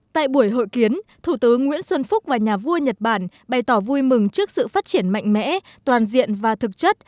tại buổi hội kiến thủ tướng nguyễn xuân phúc và nhà vua nhật bản bày tỏ vui mừng trước sự phát triển mạnh mẽ toàn diện và thực chất